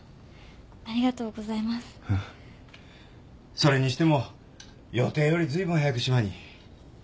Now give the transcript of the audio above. それにしても予定より随分早く島に。